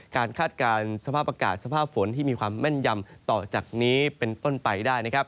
คาดการณ์สภาพอากาศสภาพฝนที่มีความแม่นยำต่อจากนี้เป็นต้นไปได้นะครับ